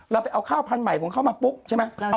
เราไปเอาข้าวพันธุ์ใหม่ของเขามาปุ๊บใช่ไหม